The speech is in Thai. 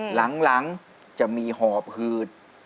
หลังจะมีหอบหืด